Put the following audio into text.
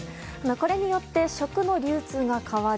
これによって食の流通が変わる。